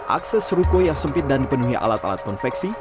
akses ruko yang sempit dan dipenuhi alat alat konveksi